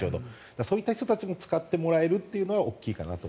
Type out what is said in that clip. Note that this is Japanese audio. そういった人たちに使ってもらえるのはいいかなと。